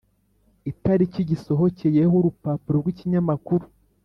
itariki gisohokeyeho, urupapuro rw’ikinyamakuru,